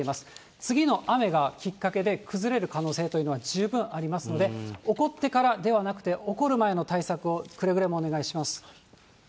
次の雨がきっかけで崩れる可能性というのは十分ありますので、起こってからではなく、起こる前の対策を、くれぐれもお願いします。